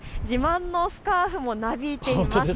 自慢のスカーフもなびいています。